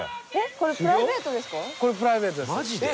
これプライベートです。